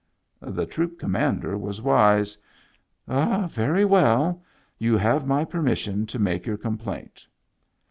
The troop commander was wise. "Very well. You have my permission to make your complaint."